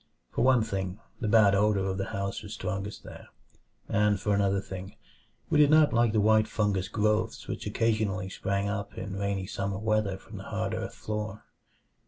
For one thing, the bad odor of the house was strongest there; and for another thing, we did not like the white fungous growths which occasionally sprang up in rainy summer weather from the hard earth floor.